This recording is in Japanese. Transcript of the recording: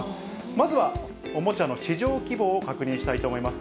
まずはおもちゃの市場規模を確認したいと思います。